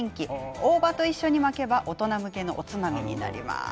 大葉と一緒に巻けば大人向けのおつまみになります。